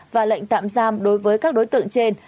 và lệnh tạm giam đối với các đối tượng trên